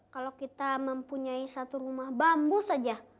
kalau kita mempunyai satu rumah bambu saja